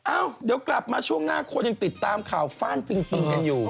เอ้าเดี๋ยวกลับมาช่วงหน้าคนยังติดตามข่าวฟ่านปิงปิงกันอยู่